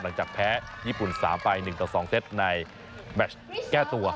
หลังจากแพ้ญี่ปุ่น๓ไป๑ต่อ๒เซตในแมชแก้ตัว